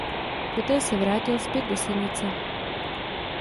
Poté se vrátil zpět do Senice.